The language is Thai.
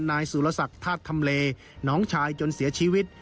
นายสุรสักษณ์ทรัฐทำเลน้องชายจนเสียชีวิต